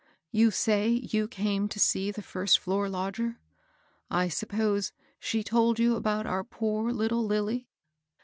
You say you came to see the first floor lodger ? I suppose she told you about our poor little Lilly